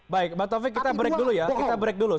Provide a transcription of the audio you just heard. baik mbak taufik kita break dulu ya